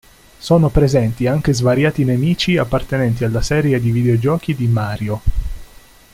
Sono presenti anche svariati nemici appartenenti alla serie di videogiochi di "Mario".